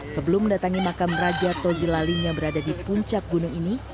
sebelum mendatangi makam raja tozi laling yang berada di puncak gunung ini